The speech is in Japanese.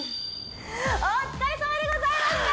お疲れさまでございました！